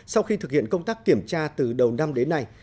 sau khi thực hiện công tác kiểm tra từ đầu năm đến nay